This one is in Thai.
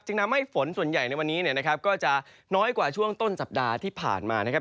ทำให้ฝนส่วนใหญ่ในวันนี้เนี่ยนะครับก็จะน้อยกว่าช่วงต้นสัปดาห์ที่ผ่านมานะครับ